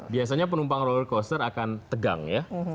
biasanya penumpang roller coaster akan tegang ya